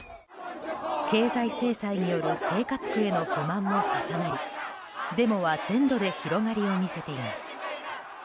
経済制裁による生活苦への不満も重なりデモは全土で広がりを見せています。